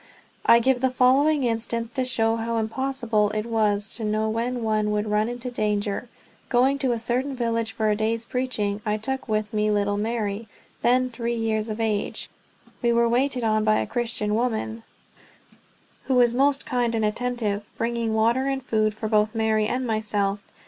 I give the following instance to show how impossible it was to know when one would run into danger. Going to a certain village for a day's preaching, I took with me little Mary, then three years of age. We were waited on by a Christian woman who was most kind and attentive, bringing water and food for both Mary and myself.